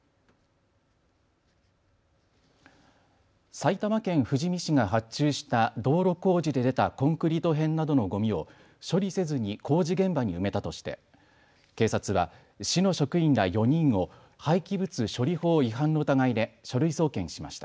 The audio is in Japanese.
埼玉県富士見市が発注した道路工事で出たコンクリート片などのゴミを処理せずに工事現場に埋めたとして警察は市の職員ら４人を廃棄物処理法違反の疑いで書類送検しました。